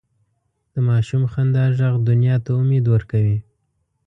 د ماشوم خندا ږغ دنیا ته امید ورکوي.